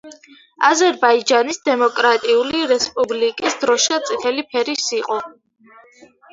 აზერბაიჯანის დემოკრატიული რესპუბლიკის დროშა წითელი ფერის იყო.